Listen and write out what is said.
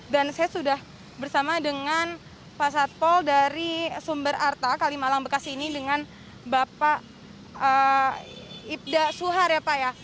dan saya sudah bersama dengan pak satpol dari sumber arta kalimalang bekasi ini dengan bapak ibda suhar ya pak ya